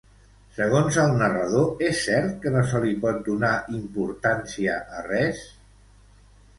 Segons el narrador, és cert que no se li pot donar importància a res?